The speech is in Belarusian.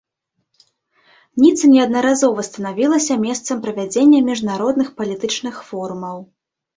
Ніца неаднаразова станавілася месцам правядзення міжнародных палітычных форумаў.